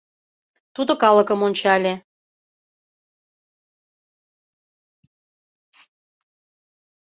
Тудо калыкым ончале.